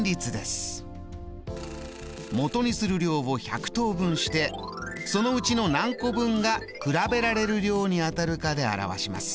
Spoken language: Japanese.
もとにする量を１００等分してそのうちの何個分が比べられる量に当たるかで表します。